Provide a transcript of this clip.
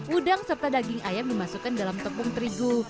udang serta daging ayam dimasukkan dalam tepung terigu